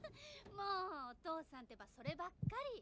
もうお父さんってばそればっかり。